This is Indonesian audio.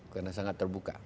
karena sangat terbuka